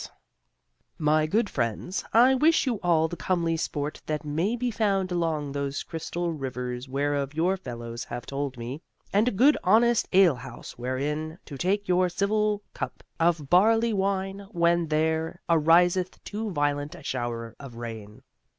My Good Friends, I wish you all the comely sport that may be found along those crystal rivers whereof your fellows have told me, and a good honest alehouse wherein to take your civil cup of barley wine when there ariseth too violent a shower of rain.